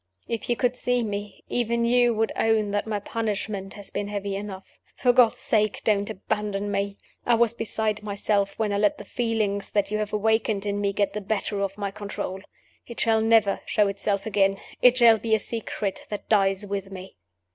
If you could see me even you would own that my punishment has been heavy enough. For God's sake, don't abandon me! I was beside myself when I let the feeling that you have awakened in me get the better of my control. It shall never show itself again; it shall be a secret that dies with me.